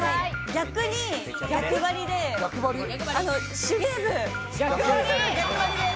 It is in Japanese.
逆に、逆ばりで手芸部。